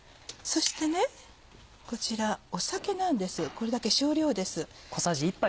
そしてこちら酒なんですこれだけ少量です。